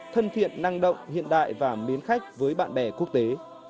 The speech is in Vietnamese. thân thiện năng động hiện đại và mến khách với bạn bè quốc tế